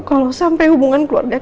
kalau sampai hubungan keluarga